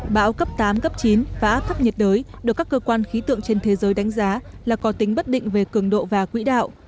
bão cấp tám cấp chín và áp thấp nhiệt đới được các cơ quan khí tượng trên thế giới đánh giá là có tính bất định về cường độ và quỹ đạo